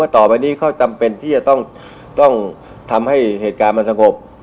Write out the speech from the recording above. ต่อไปนี้เขาจำเป็นที่จะต้องทำให้เหตุการณ์มันสงบ